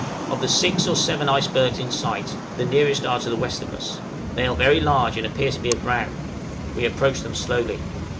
Of the six or seven icebergs in sight, the nearest are to the west of us; they are very large, and appear to be aground; we approach them slowly.